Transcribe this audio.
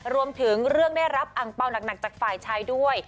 รวมถึงเรื่องได้รับอังเปล่าหนักจากฝ่ายชายด้วย